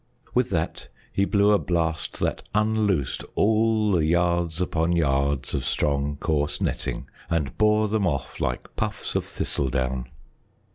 With that he blew a blast that unloosed all the yards upon yards of strong, coarse netting and bore them off like puffs of thistledown.